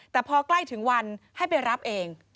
แต่พอใกล้ถึงวันให้ไปรับเอง